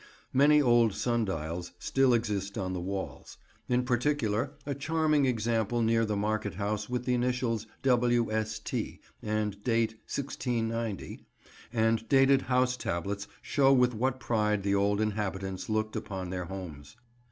Many old sundials still exist on the walls; in particular a charming example near the market house with the initials W. S. T. and date 1690; and dated house tablets show with what pride the old inhabitants looked upon their homes.